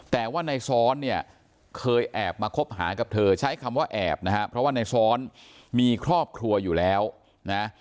แต่ว่าในซ้อนเนี่ยเคยแอบมาคบหากับเธอใช้คำว่าแอบนะฮะเพราะว่าในซ้อนมีครอบครัวอยู่แล้วนะ